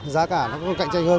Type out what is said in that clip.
giá cả nó cũng cạnh tranh hơn